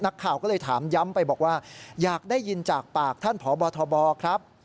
นักข่าวก็เลยถามย้ำไปบอกว่าอยากได้ยินจากปากท่านพบทบครับ